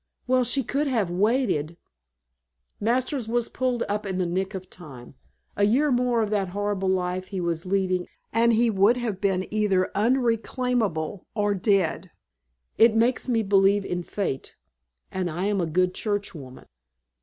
"Well, she could have waited " "Masters was pulled up in the nick of time. A year more of that horrible life he was leading and he would have been either unreclaimable or dead. It makes me believe in Fate and I am a good Churchwoman."